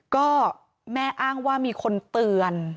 ก็แม่อ้างว่ามีคนเตือน